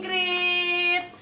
terima kasih bu